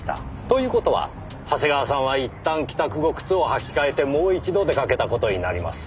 という事は長谷川さんはいったん帰宅後靴を履き替えてもう一度出かけた事になります。